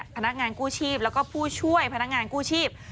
พนักงานกู้ชีพแล้วก็ผู้ช่วยพนักงานกู้ชีพ